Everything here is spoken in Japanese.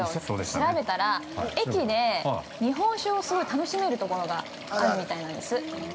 調べたら、駅で日本酒をすごい楽しめるところがあるみたいなんです。